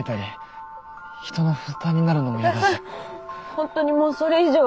本当にもうそれ以上は。